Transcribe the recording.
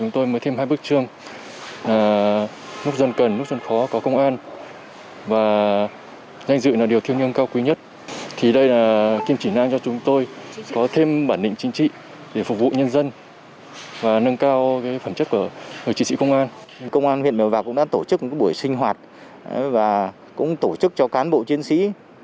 tại công an huyện mèo vạc cũng đã tổ chức một buổi sinh hoạt và cũng tổ chức cho cán bộ chiến sĩ